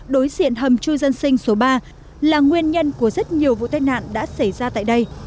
đối diện hầm chui dân sinh số ba là nguyên nhân của rất nhiều vụ tai nạn đã xảy ra tại đây